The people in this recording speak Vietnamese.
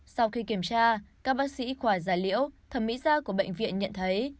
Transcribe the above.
sau khi kiểm tra các bác sĩ khoa gia liễu thẩm mỹ gia của bệnh viện nhận thấy